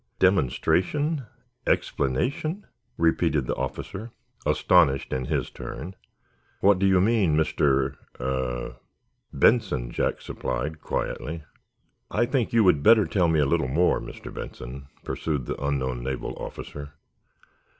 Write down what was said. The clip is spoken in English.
"Demonstration? Explanation?" repeated the officer, astonished in his turn. "What do you mean, Mr.—er—?" "Benson," Jack supplied, quietly. "I think you would better tell me a little more, Mr. Benson," pursued the unknown naval officer.